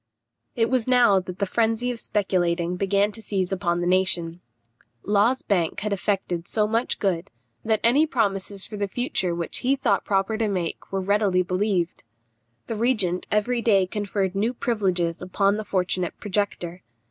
It was now that the frenzy of speculating began to seize upon the nation. Law's bank had effected so much good, that any promises for the future which he thought proper to make were readily believed. The regent every day conferred new privileges upon the fortunate projector.